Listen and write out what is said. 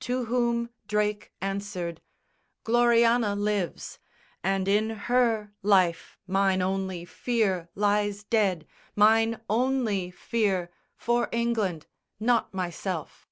To whom Drake answered, "Gloriana lives; And in her life mine only fear lies dead, Mine only fear, for England, not myself.